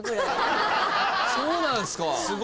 そうなんすか？